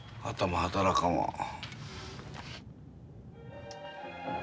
頭働かんわ。